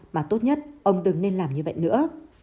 mà tốt nhất ông từng nên làm như vậy nữa